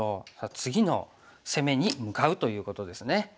次の攻めに向かうということですね。